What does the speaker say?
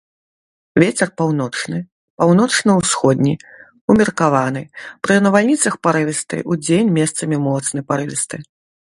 Вецер паўночны, паўночна-ўсходні, умеркаваны, пры навальніцах парывісты, удзень месцамі моцны парывісты.